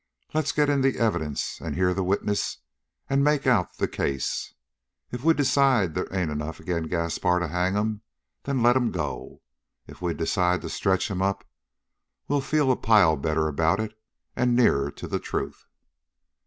Let's get in the evidence and hear the witness and make out the case. If we decide they ain't enough agin' Gaspar to hang him, then let him go. If we decide to stretch him up, we'll feel a pile better about it and nearer to the truth."